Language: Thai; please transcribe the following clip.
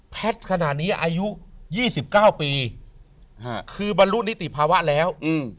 แพทย์ขนาดนี้อายุยี่สิบเก้าปีฮะคือบรรลุนิติภาวะแล้วอืม